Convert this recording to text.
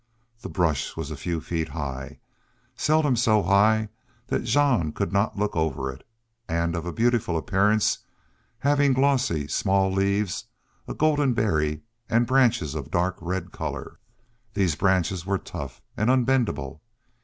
The brush was a few feet high, seldom so high that Jean could not look over it, and of a beautiful appearance, having glossy, small leaves, a golden berry, and branches of dark red color. These branches were tough and unbendable.